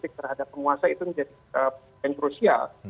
kritik terhadap penguasa itu menjadi yang krusial